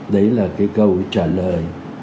đấy là cái câu trả lời